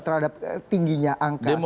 terhadap tingginya angka sebelas juta itu